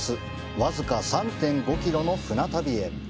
わずか３．５キロの船旅へ。